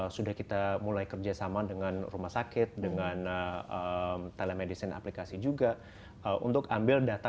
sudah kita mulai kerjasama dengan rumah sakit dengan telemedicine aplikasi juga untuk ambil data